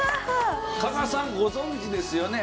加賀さんご存じですよね？